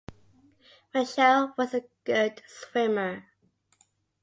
Michele was a good swimmer